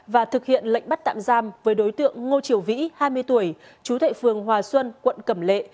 và thực hiện lệnh bắt tạm giam với đối tượng ngô triều vĩ hai mươi tuổi chú thệ phường hòa xuân quận cẩm lệ